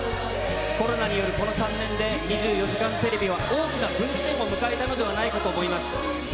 コロナによるこの３年で２４時間テレビは大きな分岐点を迎えたのではないかと思います。